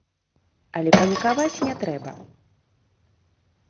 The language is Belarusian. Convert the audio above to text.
Але панікаваць не трэба.